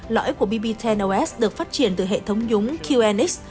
lõi của bb một mươi os được phát triển từ hệ thống nhúng qnx